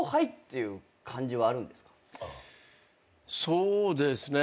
そうですね。